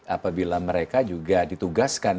apabila mereka juga ditugaskan